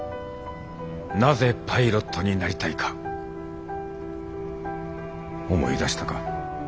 なぜパイロットになりたいか思い出したか？